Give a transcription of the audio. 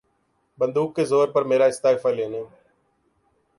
بندوق کے زور پر میرا استعفیٰ لینے